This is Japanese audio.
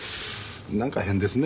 なんか変ですね。